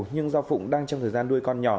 nhưng do phụng đang trong thời gian nuôi con nhỏ